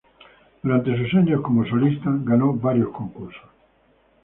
Durante sus años como solista, ganó varios concursos.